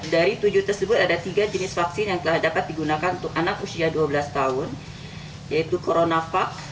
dari tujuh tersebut ada tiga jenis vaksin yang telah dapat digunakan untuk anak usia dua belas tahun yaitu coronavac